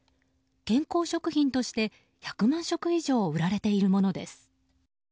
健康食品として１００万食以上売られているものです。